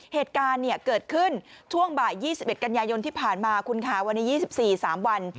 เหตุการณ์เกิดขึ้นช่วงบ่าย๒๑กันยายนที่ผ่านมาคุณค่ะวันนี้๒๔๓วัน